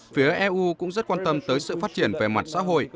phía eu cũng rất quan tâm tới sự phát triển về mặt xã hội